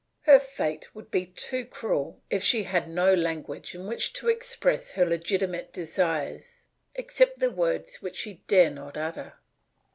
Her fate would be too cruel if she had no language in which to express her legitimate desires except the words which she dare not utter.